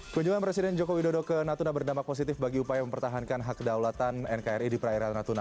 keunjungan presiden joko widodo ke natuna berdampak positif bagi upaya mempertahankan kesehatan